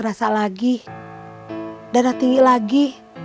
merasa lagi dana tinggi lagi